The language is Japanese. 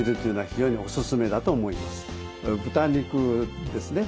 豚肉ですね。